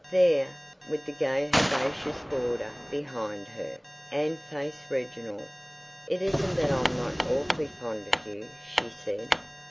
There, with the gay herbaceous border behind her, Anne faced Reginald. "It isn't that I'm not awfully fond of you," she said.